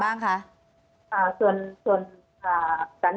อันดับที่สุดท้าย